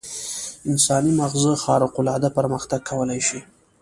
انساني ماغزه خارق العاده پرمختګ کولای شي.